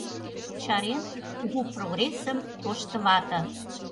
Чарен кугу прогрессым тошто вате.